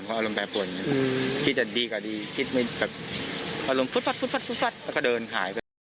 เป็นอารมณ์แปรปวนคิดจะดีกว่าดีอารมณ์พุดฟัดแล้วก็เดินหาย